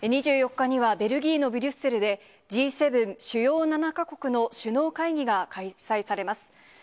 ２４日にはベルギーのブリュッセルで、Ｇ７・主要７か国の首脳会議が開催されます。